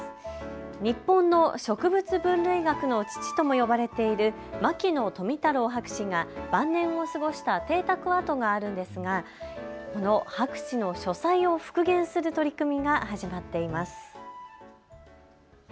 日本の植物分類学の父とも呼ばれている牧野富太郎博士が晩年を過ごした邸宅跡があるんですがその博士の書斎を復元する取り組みが始まっています。